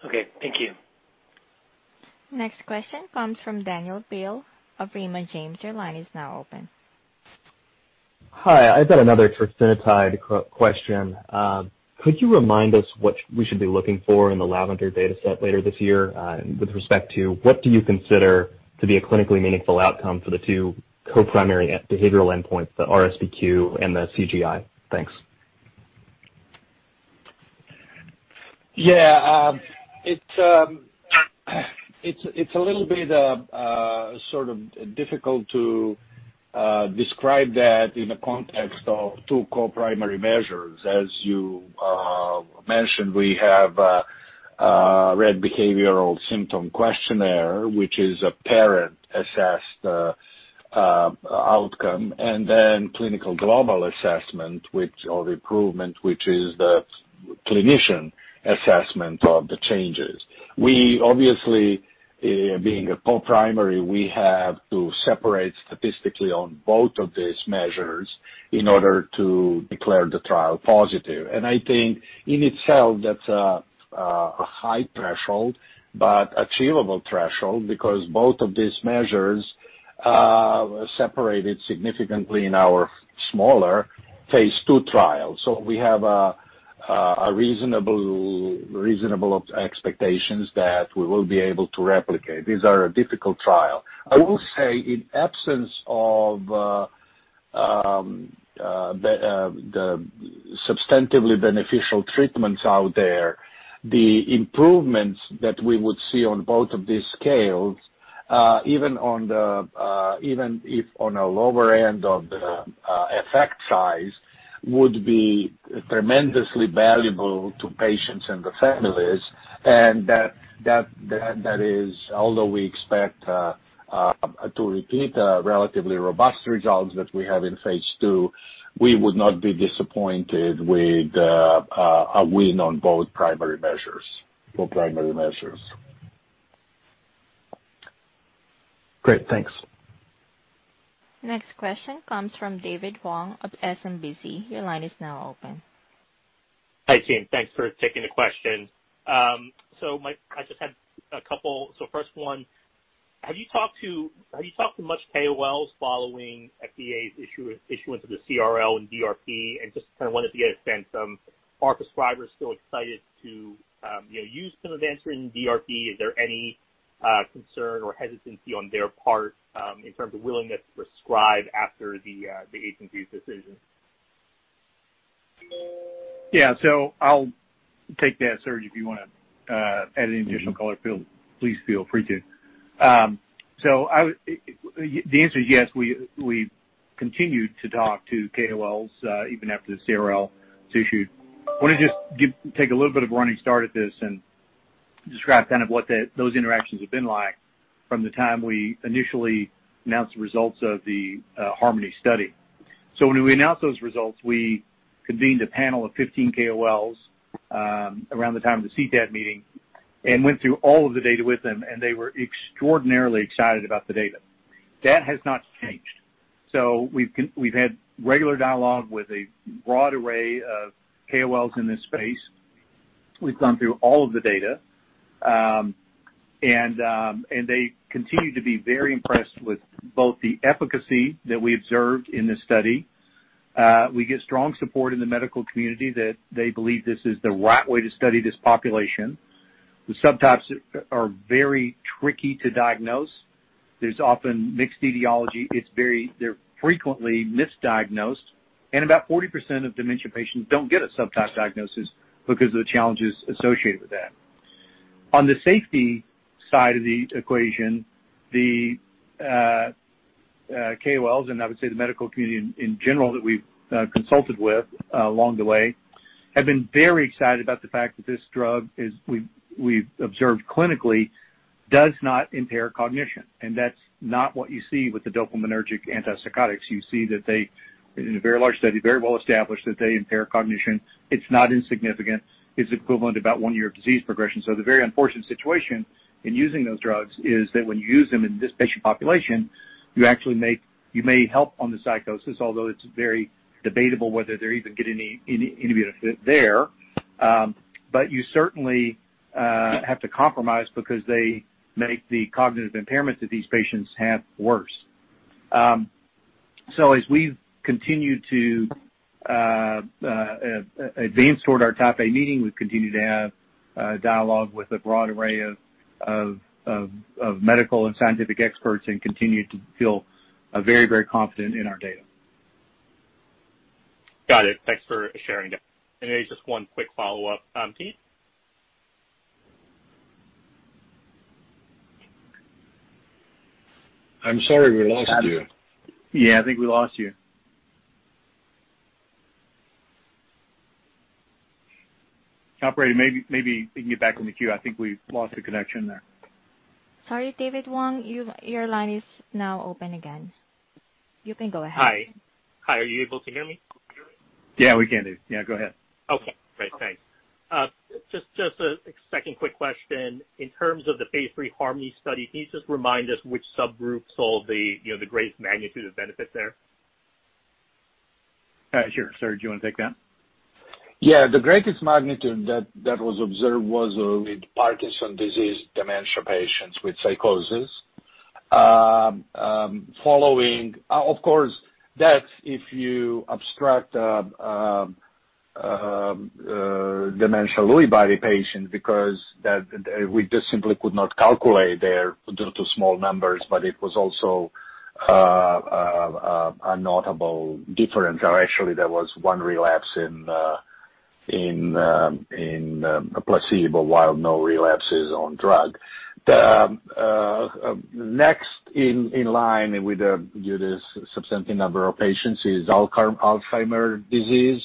Okay. Thank you. Next question comes from Danielle Brill of Raymond James. Your line is now open. Hi. I've got another trofinetide question. Could you remind us what we should be looking for in the LAVENDER dataset later this year with respect to what do you consider to be a clinically meaningful outcome for the two co-primary behavioral endpoints, the RSBQ and the CGI? Thanks. Yeah. It's a little bit sort of difficult to describe that in the context of two co-primary measures. As you mentioned, we have a Rett Syndrome Behaviour Questionnaire, which is a parent-assessed outcome, and then Clinical Global assessment of improvement, which is the clinician assessment of the changes. Obviously, being a co-primary, we have to separate statistically on both of these measures in order to declare the trial positive. I think in itself that's a high threshold, but achievable threshold because both of these measures separated significantly in our smaller phase II trial. We have reasonable expectations that we will be able to replicate. These are a difficult trial. I will say in absence of the substantively beneficial treatments out there, the improvements that we would see on both of these scales, even if on a lower end of the effect size, would be tremendously valuable to patients and their families, and that is although we expect to repeat the relatively robust results that we have in phase II, we would not be disappointed with a win on both primary measures. Great. Thanks. Next question comes from David Hoang of SMBC. Your line is now open. Hi, team. Thanks for taking the question. I just had a couple. First one, have you talked to much KOLs following FDA's issuance of the CRL and DRP? Just kind of wanted to get a sense, are prescribers still excited to use pimavanserin DRP? Is there any concern or hesitancy on their part in terms of willingness to prescribe after the agency's decision? Yeah. I'll take that, Serge. If you want to add any additional color, please feel free to. The answer is yes, we continued to talk to KOLs even after the CRL was issued. Want to just take a little bit of a running start at this and describe kind of what those interactions have been like from the time we initially announced the results of the HARMONY study. When we announced those results, we convened a panel of 15 KOLs around the time of the AdCom meeting and went through all of the data with them, and they were extraordinarily excited about the data. That has not changed. We've had regular dialogue with a broad array of KOLs in this space. We've gone through all of the data. They continue to be very impressed with both the efficacy that we observed in this study. We get strong support in the medical community that they believe this is the right way to study this population. The subtypes are very tricky to diagnose. There's often mixed etiology. They're frequently misdiagnosed, about 40% of dementia patients don't get a subtype diagnosis because of the challenges associated with that. On the safety side of the equation, the KOLs, and I would say the medical community in general that we've consulted with along the way, have been very excited about the fact that this drug, as we've observed clinically, does not impair cognition. That's not what you see with the dopaminergic antipsychotics. You see that they, in a very large study, very well established that they impair cognition. It's not insignificant. It's equivalent to about one year of disease progression. The very unfortunate situation in using those drugs is that when you use them in this patient population, you may help on the psychosis, although it's very debatable whether they even get any benefit there. You certainly have to compromise because they make the cognitive impairment that these patients have worse. As we've continued to advance toward our Type A meeting, we've continued to have dialogue with a broad array of medical and scientific experts, and continue to feel very, very confident in our data. Got it. Thanks for sharing that. Just one quick follow-up. I'm sorry, we lost you. Yeah, I think we lost you. Operator, maybe you can get back in the queue. I think we lost the connection there. Sorry, David Hoang, your line is now open again. You can go ahead. Hi. Are you able to hear me? Yeah, we can do. Yeah, go ahead. Okay, great. Thanks. Just a second quick question. In terms of the phase III HARMONY study, can you just remind us which subgroup saw the greatest magnitude of benefit there? Sure. Serge, do you want to take that? The greatest magnitude that was observed was with Parkinson's disease dementia patients with psychosis. Of course, that if you abstract dementia Lewy body patients, because we just simply could not calculate there due to small numbers, it was also a notable difference. Actually there was one relapse in a placebo while no relapses on drug. The next in line with this substantive number of patients is Alzheimer's disease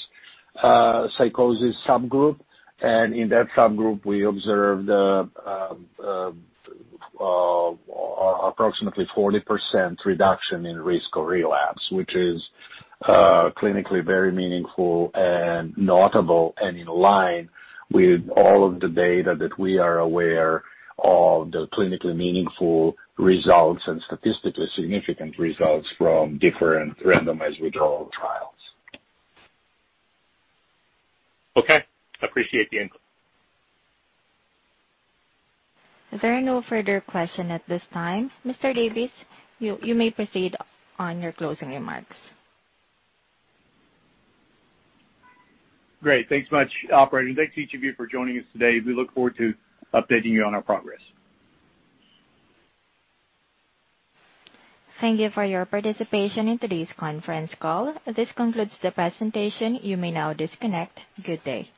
psychosis subgroup. In that subgroup, we observed approximately 40% reduction in risk of relapse, which is clinically very meaningful and notable and in line with all of the data that we are aware of the clinically meaningful results and statistically significant results from different randomized withdrawal trials. Okay. Appreciate the input. There are no further question at this time. Mr. Davis, you may proceed on your closing remarks. Great. Thanks much, operator. Thanks each of you for joining us today. We look forward to updating you on our progress. Thank you for your participation in today's conference call. This concludes the presentation. You may now disconnect. Good day.